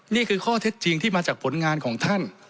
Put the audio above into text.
นี่คือข้อเท็จจริงที่มาจากผลงานของท่าน